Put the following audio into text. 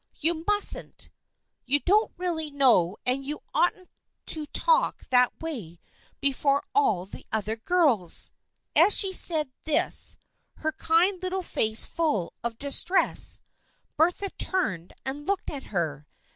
You mustn't. You don't really know and you oughtn't to talk that way before all the other girls." As she said this, her kind little face full of dis tress, Bertha turned and looked at her.